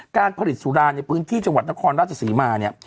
การผลิตสุราในพื้นที่จังหวัดนครราชศรีมาเนี่ย